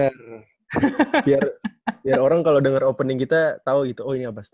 bener biar orang kalo denger opening kita tau gitu oh ini abastol